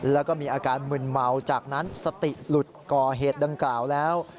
แล้วก็มีอาการมึนเมาจากนั้นสติหลุดก่อเหตุดังกล่าวแล้ว